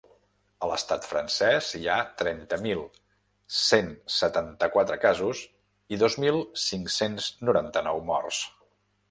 A l’estat francès hi ha trenta mil cent setanta-quatre casos i dos mil cinc-cents noranta-nou morts.